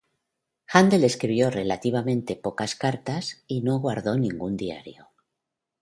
Handel escribió relativamente pocas cartas y no guardó ningún diario.